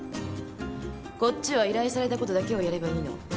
こっちは依頼されたことだけをやればいいの。